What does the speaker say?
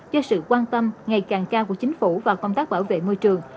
cho sự quan tâm ngày càng cao của chính phủ và công tác bảo vệ môi trường